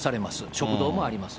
食堂もあります。